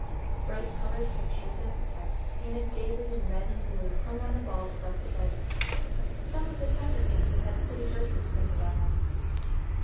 Bright colored pictures and texts painted gaily in red and blue hung on the walls above the beds; some of the counterpanes had pretty verses printed on them.